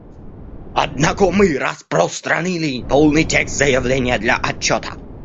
Однако мы распространили полный текст заявления для отчета.